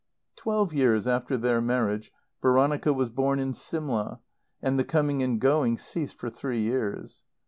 Twelve years after their marriage Veronica was born at Simla, and the coming and going ceased for three years.